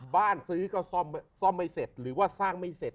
บ้านซื้อก็ซ่อมไม่เสร็จหรือว่าสร้างไม่เสร็จ